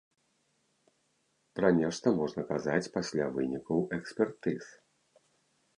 Пра нешта можна казаць пасля вынікаў экспертыз.